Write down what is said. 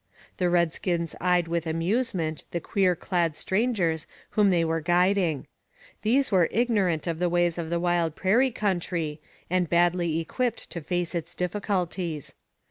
The redskins eyed with amusement the queer clad strangers whom they were guiding. These were ignorant of the ways of the wild prairie country and badly equipped to face its difficulties.